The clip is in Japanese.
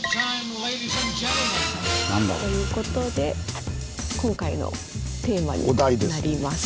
何だろう。ということで今回のテーマになります。